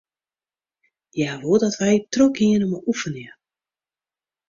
Hja woe dat wy trochgiene mei oefenjen.